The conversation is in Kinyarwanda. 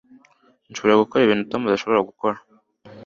Nshobora gukora ibintu Tom adashobora gukora